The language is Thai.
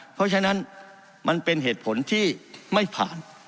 เพราะฉะนั้นมันเป็นเหตุผลที่ไม่ผ่าน